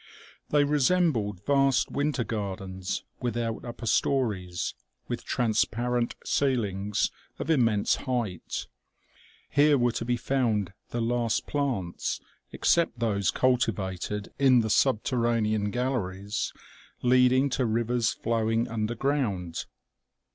They resembled vast winter gar dens, without upper stories, with transparent ceilings of immense height. Here were to be found the last plants, except those cultivated in the subterranean galleries lead ing to rivers flowing under ground.